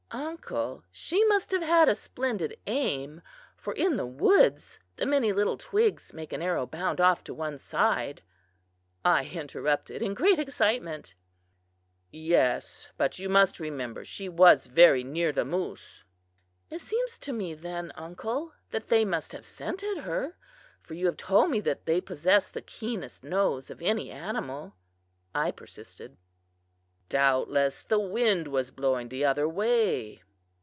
"Uncle, she must have had a splendid aim, for in the woods the many little twigs make an arrow bound off to one side," I interrupted in great excitement. "Yes, but you must remember she was very near the moose." "It seems to me, then, uncle, that they must have scented her, for you have told me that they possess the keenest nose of any animal," I persisted. "Doubtless the wind was blowing the other way.